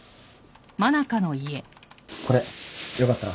これよかったら。